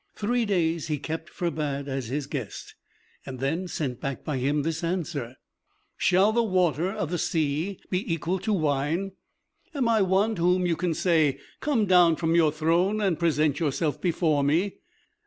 Three days he kept Ferbad as his guest, and then sent back by him this answer: "Shall the water of the sea be equal to wine? Am I one to whom you can say, 'Come down from your throne, and present yourself before me?'